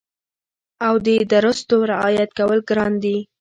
او د درستو رعایت کول ګران دي